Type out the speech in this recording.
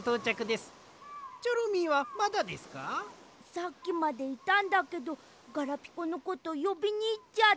さっきまでいたんだけどガラピコのことよびにいっちゃって。